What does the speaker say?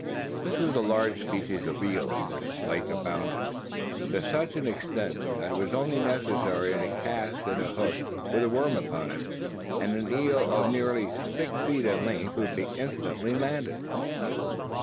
This was a large species of eel, in which the lake abounded, to such an extent, that it was only necessary to cast in a hook, with a worm upon it, and an eel of nearly six feet in length would be instantly landed.